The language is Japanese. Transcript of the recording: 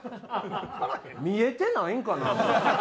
見えてないんかな？